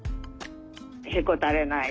へこたれない